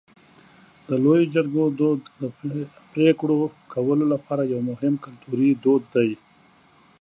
د لویې جرګې دود د پرېکړو کولو لپاره یو مهم کلتوري دود دی.